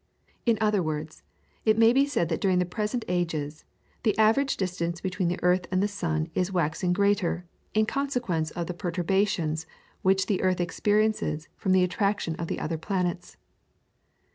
In other words, it may be said that during the present ages the average distance between the earth and the sun is waxing greater in consequence of the perturbations which the earth experiences from the attraction of the other planets.